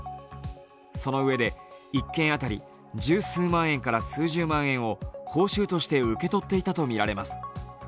そのうえで、１件当たり十数万円から数十万円を報酬として受け取っていたとみられます。